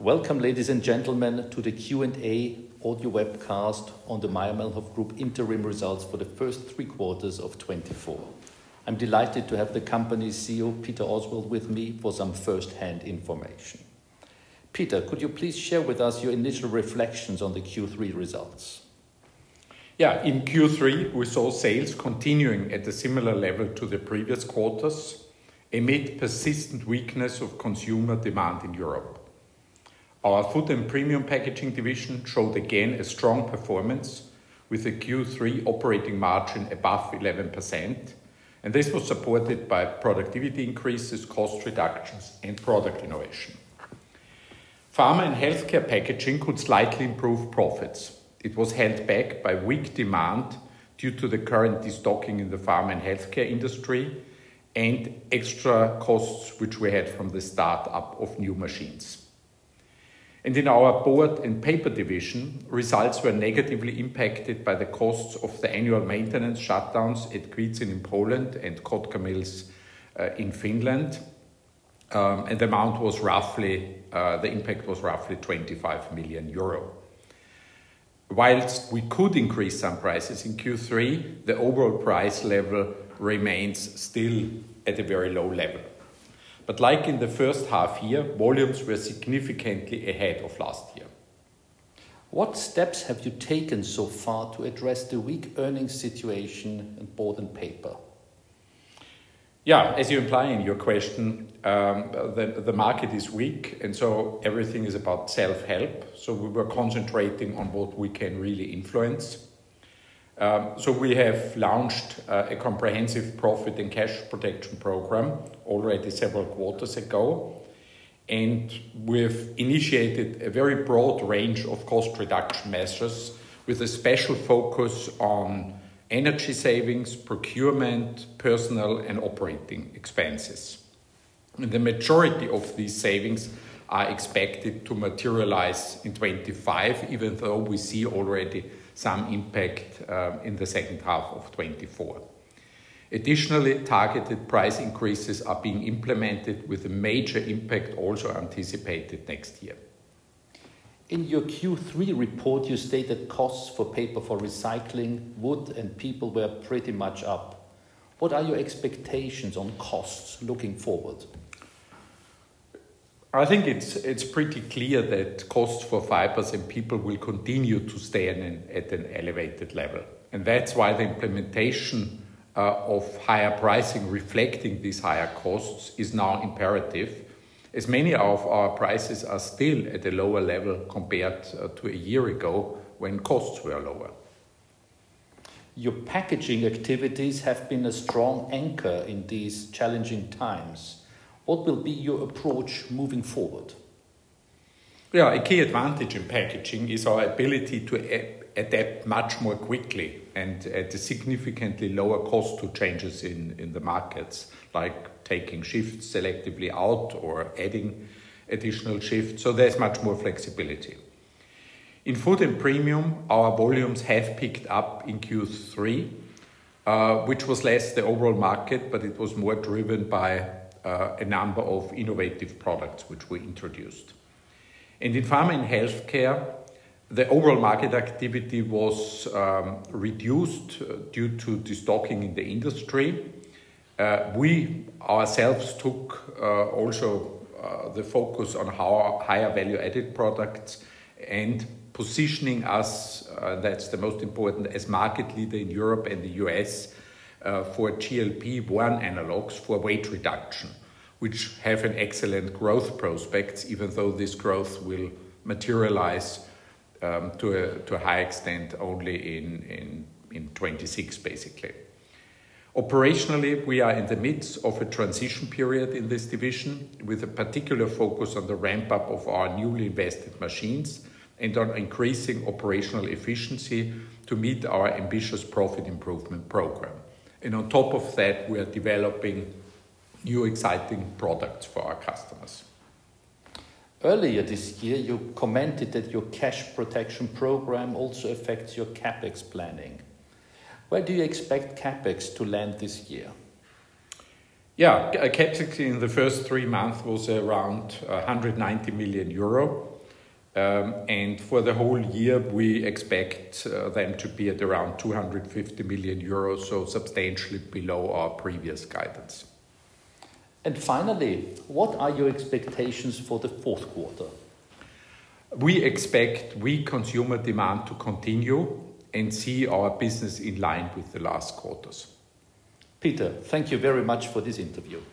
Welcome, ladies and gentlemen, to the Q&A audio webcast on the Mayr-Melnhof Group interim results for the first three quarters of 2024. I'm delighted to have the company CEO, Peter Oswald, with me for some first-hand information. Peter, could you please share with us your initial reflections on the Q3 results? Yeah. In Q3, we saw sales continuing at a similar level to the previous quarters amid persistent weakness of consumer demand in Europe. Our MM Food & Premium Packaging division showed again a strong performance with a Q3 operating margin above 11%, this was supported by productivity increases, cost reductions, and product innovation. MM Pharma & Healthcare Packaging could slightly improve profits. It was held back by weak demand due to the current destocking in the pharma and healthcare industry and extra costs which we had from the startup of new machines. In our MM Board & Paper division, results were negatively impacted by the costs of the annual maintenance shutdowns at Kwidzyn in Poland and Kotkamills in Finland, the impact was roughly 25 million euro. Whilst we could increase some prices in Q3, the overall price level remains still at a very low level. Like in the first half year, volumes were significantly ahead of last year. What steps have you taken so far to address the weak earnings situation in board and paper? Yeah. As you imply in your question, the market is weak and so everything is about self-help. We were concentrating on what we can really influence. We have launched a comprehensive profit and cash protection program already several quarters ago, and we've initiated a very broad range of cost reduction measures with a special focus on energy savings, procurement, personnel and operating expenses. The majority of these savings are expected to materialize in 2025, even though we see already some impact in the second half of 2024. Additionally, targeted price increases are being implemented with a major impact also anticipated next year. In your Q3 report, you stated costs for paper for recycling, wood and people were pretty much up. What are your expectations on costs looking forward? I think it's pretty clear that costs for fibers and people will continue to stay at an elevated level. That's why the implementation of higher pricing reflecting these higher costs is now imperative, as many of our prices are still at a lower level compared to a year ago when costs were lower. Your packaging activities have been a strong anchor in these challenging times. What will be your approach moving forward? Yeah. A key advantage in packaging is our ability to adapt much more quickly and at a significantly lower cost to changes in the markets, like taking shifts selectively out or adding additional shifts. There's much more flexibility. In Food and Premium, our volumes have picked up in Q3, which was less the overall market, but it was more driven by a number of innovative products which we introduced. In Pharma and Healthcare, the overall market activity was reduced due to destocking in the industry. We ourselves took also the focus on our higher value added products and positioning us, that's the most important, as market leader in Europe and the U.S., for GLP-1 analogues for weight reduction, which have an excellent growth prospects, even though this growth will materialize to a high extent only in 2026 basically. Operationally, we are in the midst of a transition period in this division with a particular focus on the ramp-up of our newly invested machines and on increasing operational efficiency to meet our ambitious profit improvement program. On top of that, we are developing new exciting products for our customers. Earlier this year, you commented that your cash protection program also affects your CapEx planning. Where do you expect CapEx to land this year? Yeah. CapEx in the first three months was around 190 million euro, and for the whole year, we expect them to be at around 250 million euros, so substantially below our previous guidance. Finally, what are your expectations for the fourth quarter? We expect weak consumer demand to continue and see our business in line with the last quarters. Peter, thank you very much for this interview.